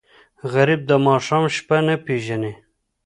غریب د ماښام شپه نه پېژني